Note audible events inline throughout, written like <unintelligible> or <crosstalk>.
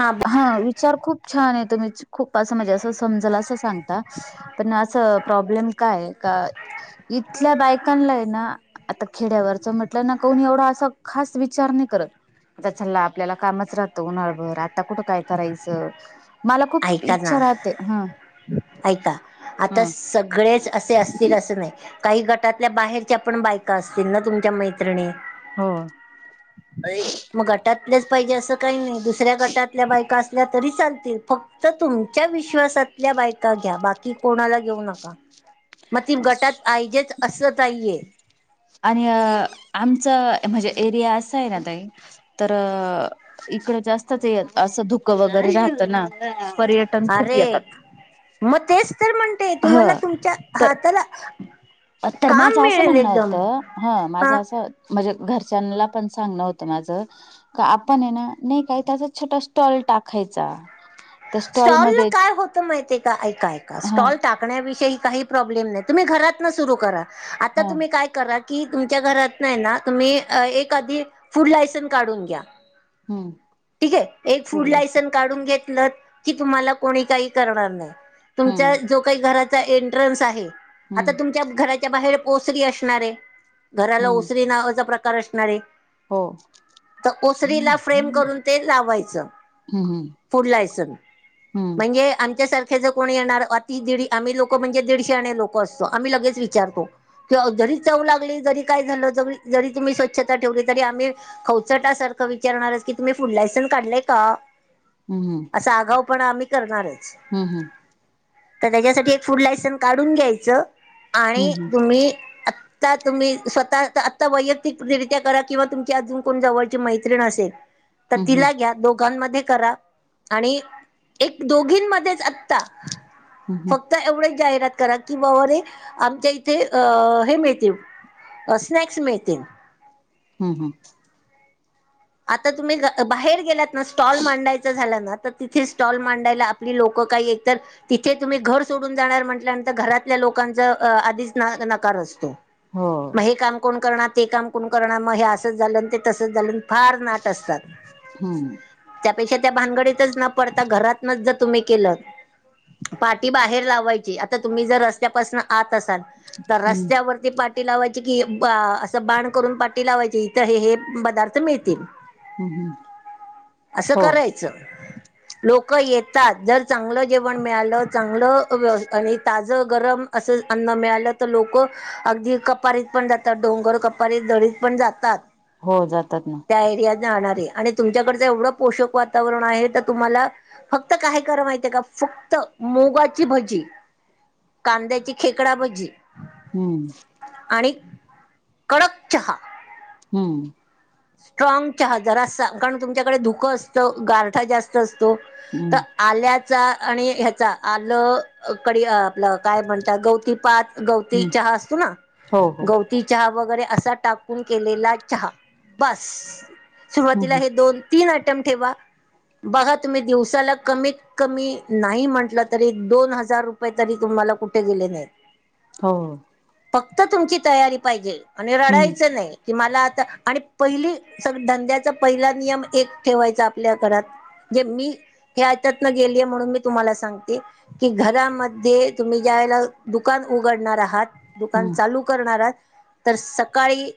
हां ब हां विचार खूप छाने तुम्हीच खूप असं म्हणजे असं समजंल असं सांगता. पण असं प्रॉब्लेम काय का इथल्या बायकानलाय ना. आता खेड्यावरच म्हटलं ना कोणी एवढा असा खास विचार नी करत. आता चल्ला आपल्याला कामच राहतं उन्हाळभर आता कुठं काय करायचं. मला खूप ऐका ना इच्छा राहते हं. ऐका आता सगळेच असे असतील असं नई. काही गटातल्या बाहेरच्या पण बायका असतील ना तुमच्या मैत्रिणी हो. म गटातलेच पायजे असं काई नई दुसऱ्या गटातल्या बायका असल्या तरी चालतील फक् तर तुमच्या विश्वासातल्या बायका घ्या, बाकी कोणाला घेऊ नका. मग ती गटात आहिजेच असंच हायये. आणि, आमचं म्हणजे एरिया असं आहे ना ताई तर इकडं जास्तच य असं धुकं वगैरे राहतं ना- पर्यटन खूप अरे येतात. मग तेच तर म्हणते, ह तुम्हाला तुमच्या हा त्याला अ तर माझं असं म्हणणं होतं,, हं हा माझं असं! म्हणजे घरच्यांला पण सांगणं होतं माझं का आपण आहे ना, नाही काही त्याचा छोटा स्टॉल टाकायचा त्या स्टॉल ला स्टॉलमध्ये काय होत माहितय का,, ऐका ऐका हा स्टॉल टाक टाकण्याविषयी काही प्रॉब्लेम नाही,, तुम्ही घरातनं सुरू करा,, आता हा तुम्ही काय करा की तुमच्या घरात नाही ना, तुम्ही एक आधी फूड लायसन काढून घ्या हम्म ठीके, एक फूड लायसन काढून घेतलंत, की तुम्हाला कोणी काही करणार नाही. तुमच्या हम्म जो काही घराचा एंट्रन्स आहे. आता हम्म तुम घराच्या बाहेर ओसरी असणारे,,, घराला हम्म ओसरी नावाचा प्रकार असणारे हो तर ओसरीला फ्रेम करून ते लावायचं, हम्म फूड लायसन,, हम्म म्हणजे हे आमच्यासारखे ज कोणी येणार,, अति दीड आम्ही लोकं म्हणजे दीडशे शाने लोकं असतो,, आम्ही लगेच विचारतो. किं जरी चव लागली, जरी काय झालं, ज जरी तुम्ही स्वच्छता ठेवली तरी आम्ही खौचटा सारखं विचारणारच की, तुम्ही फुड लायसनस काढलय का? हम्म हम्म. असा आगाव पण आम्ही करणारच हम्म हम्म. तर त्याच्यासाठी एक फूड लायसन्स काढून घ्यायचं,, आणि हम्म तुम्ही अत्य आता तुम्ही स्वतः आता वैयक्तिकरित्या करा,, किंवा तुमची अजून कोण जवळची मैत्रीण असेल तर हम्म तिला घ्या,, दोघांमध्ये करा. आणि एक दोघींमध्येच आत्ता,, हम्म फक्त एवढंच जाहिरात करा कि बाबारे, आमच्या इथे अ हे मिळतील,, अ स्नॅक्स मिळतील. हम्म हम्म. आता तुम्ही बाहेर गेलात ना स्टॉल मांडायचा झाला. ना तर तिथे स्टॉल मांडायला आपली लोक क काही एकतर तिथे तुम्ही घर सोडून जाणार म्हटल्यानंतर,, घरातल्या लोकांचा आधीच नकार असतो. हो. मग हे काम कोण करणार, ते काम कोण करणार मग हे असंच झालं ते तसंच झालं., फार नाट असतात. हम्म त्यापेक्षा त्या भानगडीतच न पडता घरातनचं जर तुम्ही केलं पाठी बाहेर लावायची,, आता तुम्ही जर रस्त्यापासनं आत असाल,, तर हम्म रस्त्यावर ती पाटी लावायची कि, असं बाण करून पाटी लावायची, इथं हे हे पदार्थ मिळतील. हम्म असं हो करायचं. लोकं येतात,, जर चांगलं जेवण मिळालं, चांगलं व्य आणि ताजं गरम असं अन्न मिळालं तर लोकं अगदी कपारीत पण जातात,, डोंगर कपारीत दरीत पण जातात. हो जातात ना त्या एरिया जाणारे,, आणि तुमच्याकडचं एवढं पोषक वातावरण आहे तर तुम्हाला फक्त काय करा माहितय का,, फक्त मुगाची भजी कांद्याची खेकडा भज्जी हम्म आणि कडक चहा. हम्म स्ट्रॉग चहा जरां असं, कारण तुमच्याकडे धुकं असतं गारठा जास्त असतो तर हम्म आल्याचा आणि ह्याचा आलं कडी आपलं काय म्हणता, गौती पात, गौती हम्म चहा असतोना हो हो गौत ती चहा वगैरे असा टाकून केलेला चहा, बसं सुरुवातीला हम्म हे दोन तीन आयटम ठेवा, बघा तुम्ही दिवसाला कमीत कमी, नाही म्हटलं तरी दोन हजार रुपये तरी तुम्हाला कुठे गेले नाहीत हो. फक्त तुमची तयारी पाहिजे आणि हम्म रडायचं नाही की मला आता आणि पहिली स धंद्याचा पहिला नियम एक ठेवायचा आपल्या घरात, जे मी हे ह्याच्यातन गेलीय म्हणून मी तुम्हाला सांगते की घरामध्ये तुम्ही ज्या वळेला दुकान उघडणार आहात दुकान हम्म चालू करणार आहात, तर सकाळी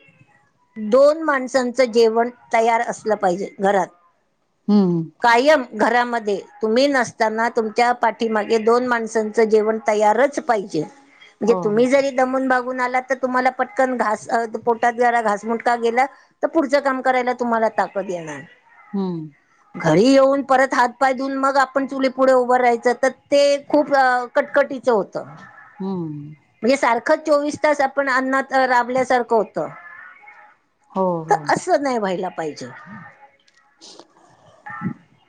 दोन माण सांच जेवण तयार असलं पाहिजे घरात. हम्म. कायम घरामध्ये तुम्ही नसताना तुमच्या पाठीमागे दोन माणसांच च जेवण तयारच पाहिजे, म्हणजे हो तुम्ही जरी दमून बागून आला तर तुम्हाला पटकन घास ते पोटात जरा घासमुटका गेला तर पुढचं काम करायला तुम्हाला ताकद येणार हम्म. घरी येऊन परत हात पाय धुऊन मग आपण चुली पुढे उभं राहायचं तर ते खूप अ कटकटीचं होतं. हम्म. म्हणजे सारखं चोवीस तास आपण अन्नात राबल्यासारखं होतं हो हो. च नाही व्हायला पाहिजे. <unintelligible>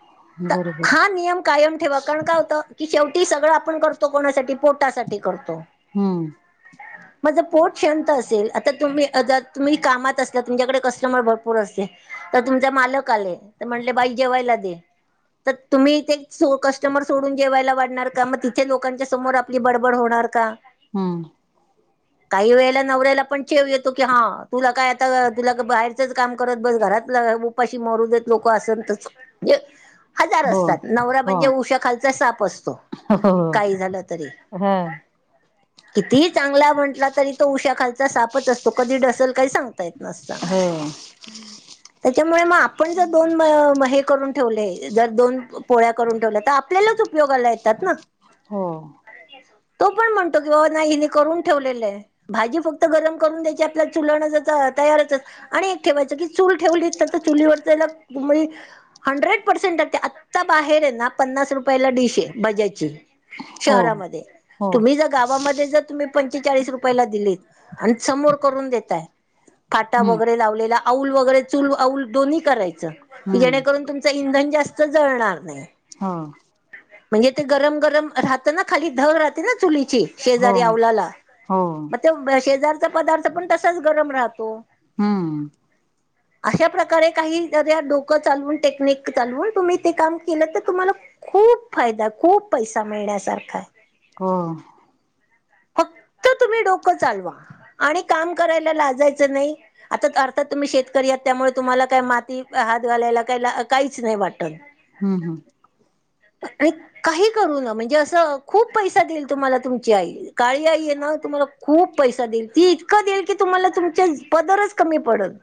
तर बरोबर आहे हा नियम कायम ठेवा, कारण काय होतं की शेवटी सगळं आपण करतो कोणासाठी पोटासाठी करतो हम्म माझं पोट शांत असेल, आता तुम्ही जर तुम्ही कामात असला तुमच्याकडे कस्टमर भरपूर असले तर तुमचे मालक आले, तर म्हटले बाई जेवायला दे तर तुम्ही ते सो कस्टमर सोडून जेवायला वाढणार का, मग तिथे लोकांच्या समोर आपली बडबड होणार का? हम्म. <unintelligible> काही वेळेला नवऱ्याला पण चेव येतो की हा, तुला काय आता तुला बाहेरचंच काम करत बस घरातल उप पाशी मरू देत लोकं असन तसं, म्हणजे हजार हो असतात, नवरा हो म्हणजे उषाखालचा साप असतो हो काही झालं तरी <unintelligible> कितीही चांगला म्हंटला तरी तो उशाखालचा सापच असतो कधी डसल काही सांगता येत नसतं, हो त्येच्यामुळे मग आपण जर दोन म मग हे करून ठेवले जर दोन पोळ्या करून ठेवल्या तर आपल्यालाच उपयोगाला येतात ना. हो. तो पण म्हणतो की <unintelligible> हिनी करून ठेवलेलं आहे भाजी फक्त गरम करून देते आपल्याला चुलण तर तयारच आणि एक ठेवायचं की चूल ठेवली तर, तर चुलीवरच आहे ना मजी हंड्रेड पर्सेंट ते आत्ता बाहेर आहे ना पन्नास रुपयाला डिश आहे भज्याची हो शहरामध्ये हो तुम्ही जर गावामध्ये जर तुम्ही पंचेचाळीस रुपयाला दिली आणि समोर करून देताय काटा हम्म वगैरे लावलेला अऊल वगैरे चूल अऊल दोन्ही करायचं जेणे हम्म करून तुम च इंधन जास्त जळणार नाही हा येथे गरम, गरम राहत ना खाली धग राहते ना चुलीची हो शेजारी अवलाला हो मग ते शेजारचा पदार्थ पण तसाच गरम राहतो हम्म अशा प्रकारे काही जरा डोकं चालवून टेक्निक चालवून तुम्ही ते काम केलं तर तुम्हाला खूप फायदा खूप पैसा मिळण्यासारखा आहे हो फक्त तुम्ही डोकं चालवा आणि काम करायला लाजायचं नाही आता अर्थात तुम्ही शेतकरी असल्यामुळे तुम्हाला काय माती हात घालायला काय ला काहीच नाही वाटत हम, हम आणि काही करू ना म्हणजे असं खूप पैसा देईल तुम्हाला तुमची आई काळी आई येना तुम्हाला खूप पैसा देईल ती इतकं देईल की तुम्हाला तुमच्या पदरच कमी पडल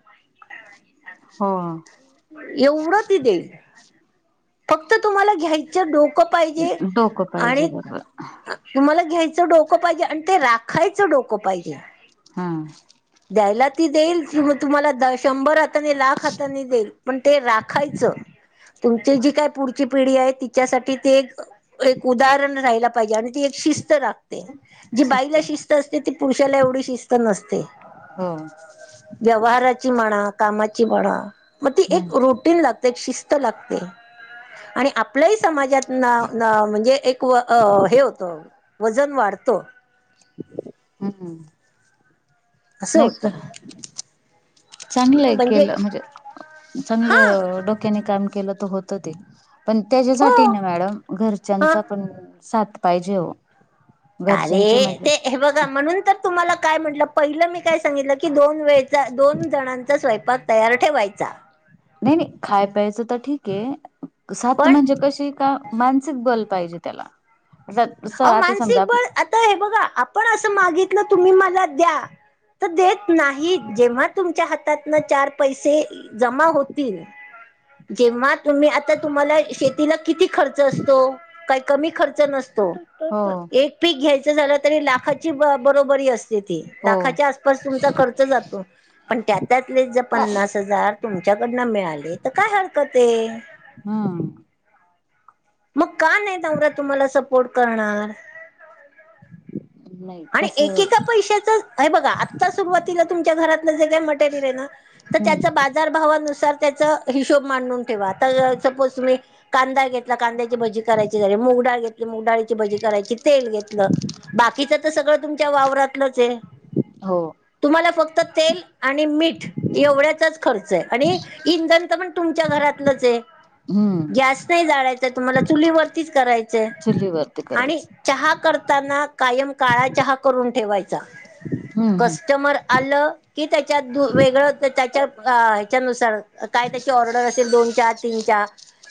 ह एवढं ती देईल फक्त तुम्हाला घ्यायचं डोकं पाहिजे डोकं पाहिजे आणि बरोबर तुम्हाला घ्यायचं डोकं पाहिजे आणि ते राखायचं डोकं पाहिजे हा द्यायला ती देईल क तुम्हाला द शंभरात <unintelligible> लाख हातानी देईल पण ते राखायचं ती जी काय पुढची पिढी आहे तिच्यासाठी ते एक ते एक उदाहरण राहायला पाहिजे आणि ती एक शिस्त रात जी बाईला शिस्त असते ती पुरुषाला एवढी शिस्त नसते हो व्यवहाराची म्हणा कामाची म्हणा मग ती हम्म एक रुटीन लागते एक शिस्त लागते आणि आपलही समाजात ना म्हणजे एक हे होतं वजन वाढतं हम्म असं नाही होतं क चांगलं केलं म्हणजे हा चांगलं डोक्याने काम केलं तर होत ते पण त्याच्यासाठी हो ना मॅडम हा घरच्यांचा पण साथ पाहिजे ओ अरे ते हे बघा म्हणून तर तुम्हाला काय म्हटलं पहिलं मी काय सांगितलं की दोन वेळचा दोन जणांचा स्वयंपाक तयार ठेवायचा नाही नाही खाय प्यायचं तर ठीक आहे सात पण म्हणजे कशी का मान <unintelligible> बल पाहिजे त्याला आता आओ आता मानसिक समजा आप बळ आता हे बघा आपण असं मागितलं तुम्ही मला द्या देत नाही जेव्हा तुमच्या हातात ना चार पैसे जमा होतील. जेव्हा तुम्ही आता तुम्हाला शेतीला किती खर्च असतो? काही कमी खर्च नसतो. ह. एक पीक घ्यायचं झालं तरी लाखाची ब बरोबरी असते ती. हो लाखाच्या आसपास तुमचा खर्च जातो. पण त्या त्यातलेच जर पन्नास हजार. तुमच्याकडनं मिळाले तर काय हरकत आहे? हा. मग का नाही नवरा तुम्हाला सपोर्ट करणार. नाही आणि तस एकेका पैशाच हे बघा, आत्ता सुरुवातीला तुमच्या घरातलं जे काय मटेरियल आहे ना तर हम्म त्याचा बाजारभवानुसार त्याचा हिशोब मांडून ठेवा. सपोज तुम्ही कांदा घेतला कांद्याची भजी करायची झाली, मुगडाळ घेतली मुगडाळची भजी करायची, तेल घेतलं, बाकीच तर सगळं तुमच्या वावरातलंच आहे. हो. तुम्हाला फक्त तेल आणि मीठ एवढ्याचाच खर्च आहे. आणि इंधन तर पण तुमच्या घरातलंच आहे. हम्म गॅस नाही जाळायचाय तुम्हाला चुलीवरतीच करायचंय. चुलीवरती. आणि करायचं चहा करताना कायम काळा चहा करून ठेवायचा. हम्म कस कस्टमर आलं कि त्याच्यात वेगळं त्याच्या ह्याच्यानुसार काय त्याची ऑर्डर असेल दोन चा तीन चा.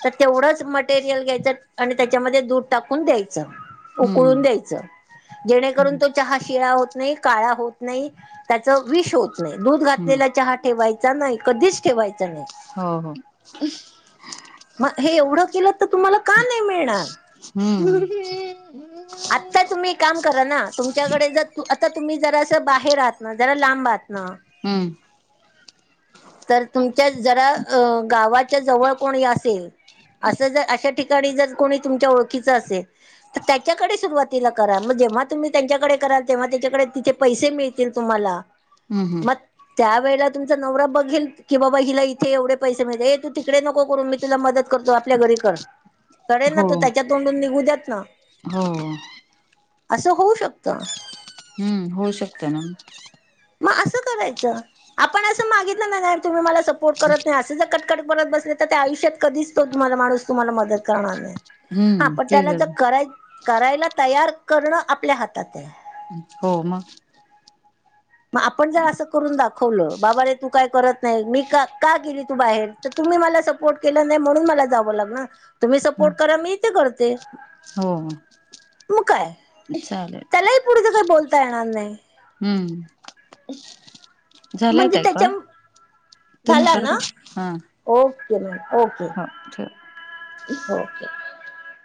तर तेवढंच मटेरियल घ्यायचं, आणि त्याच्यामध्ये दूध टाकून द्यायचं. हम्म हम्म उकळून द्यायचं जेणेकरून हम्म तो चहा शिळा होत नाही. काळा होत नाही, त्याच विष होत नाही, दूध हम्म घातलेला चहा ठेवायचा नाही कधीच ठेवायच नाही. हो, हो. मग हे एवढं केलं तर तुम्हाला का नाही मिळणार? हम्म. आत्ता तुम्ही एक काम करा ना, तुमच्याकडे जर आता तुम्ही जरा अस बाहेर आहात ना जरा लांब आहात ना. हम्म. तर तुमच्या जरा गावाच्या जवळ कोणी असेल. असं जर अशा ठिकाणी जर कोणी तुमच्या ओळखीच असेल. तर त्याच्याकडे सुरुवातीला करा मग जेव्हा तुम्ही त्यांच्याकडे कराल तेव्हा त्यांच्याकडे तिथे पैसे मिळतील तुम्हाला हम्म मग त्या वेळल्या तुमचा नवरा बघ की बाबा हिला इथे एवढे पैसे मिळता ये तू तिकडे नको करू मी तुला मदत करतो. आपल्या घरी कर करेल ना हो तो त्याच्या तोंडून निघू द्यात ना? हो. असं होऊ शकतं? हम्म होऊ शकत ना? मग असं करायचं. आपण असं मागितलं नाही नाही तुम्ही मला सपोर्ट करत नाही. असं जर क -बघत बसले तर त्या आयुष्यात कधी तो माणूस तुम्हाला मदत करणार नाही. हा हम्म पण ते त्याला जर कराय करायला तयार करणं आपल्या हातात आहे. हो मग. मग आपण जर आसं करुन दाखव खवलं बाबा रे तू काय करत नाही, मी का का गेली तू बाहेर तर तुम्ही मला सपो सपोर्ट केला नाही म्हणून मला जावं लागणार, तुम्ही सपोर्ट करा मी इथे करते. हो मग काय, चालेल त्यालाही पुढच काही बोलता येणार नाही. हम्म झालाय म्हणजे ताई त्याच्या कॉल, तुम्ही झाला ना करता?, हा ओके मॅम, ओके <unintelligible> ओके.